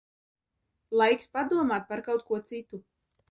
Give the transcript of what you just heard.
Laiks padomāt par kaut ko citu.